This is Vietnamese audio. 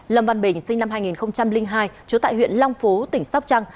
lâm văn bình sinh năm hai nghìn hai trú tại huyện long phú tỉnh sóc trăng